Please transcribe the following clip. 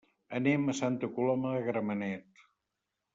Anem a Santa Coloma de Gramenet.